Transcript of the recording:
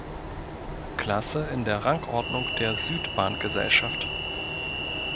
Klasse in der Rangordnung der Südbahngesellschaft.